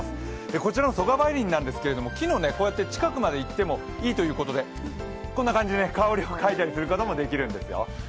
こちらの曽我梅林なんですけれども、木の近くまで行ってもいいということでこんな感じで香りをかいだりすることもできるんですよ。